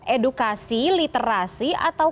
edukasi literasi atau